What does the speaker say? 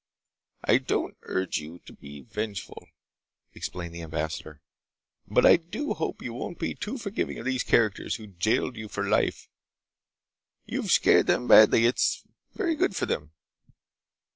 "I don't urge you to be vengeful," explained the ambassador, "but I do hope you won't be too forgiving of these characters who'd have jailed you for life. You've scared them badly. It's very good for them.